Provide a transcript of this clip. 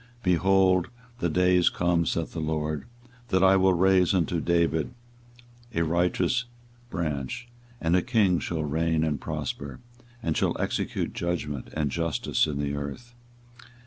24:023:005 Behold, the days come, saith the LORD, that I will raise unto David a righteous Branch, and a King shall reign and prosper, and shall execute judgment and justice in the earth.